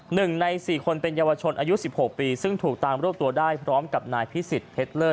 หนึ่งในสี่คนเป็นเยาวชนอายุสิบหกปีซึ่งถูกตามรวบตัวได้พร้อมกับนายพิสิทธิเพชรเลิศ